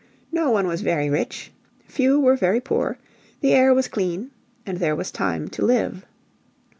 No one was very rich; few were very poor; the air was clean, and there was time to live.